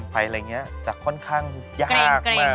ทำอะไรเงี่ยจะค่อนข้างยากมากครับ